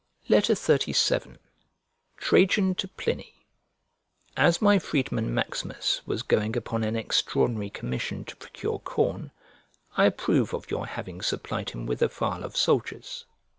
XXX VII TRAJAN TO PLINY As my freedman Maximus was going upon an extraordinary commission to procure corn, I approve of your having supplied him with a file of soldiers.